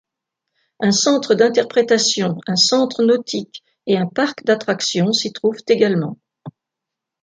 Un centre d'interprétation, un centre nautique et un parc d'attractions s'y trouvent également.